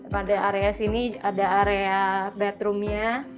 pada area sini ada area bedroomnya